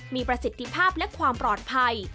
มีประสิทธิภาพและความปลอดภัย